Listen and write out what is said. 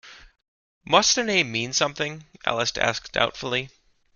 ‘Must a name mean something?’ Alice asked doubtfully.